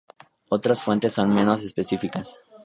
Otras fuentes son menos específicas.